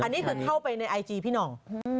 อันนี้คือเข้าไปในไอจีพี่หน่อง